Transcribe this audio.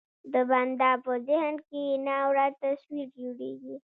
د بنده په ذهن کې ناوړه تصویر جوړېږي.